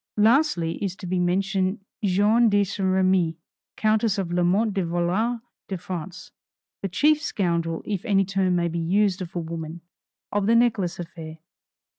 Lastly is to be mentioned Jeanne de St. Remi, Countess de Lamotte de Valois de France, the chief scoundrel, if the term may be used of a woman of the necklace affair.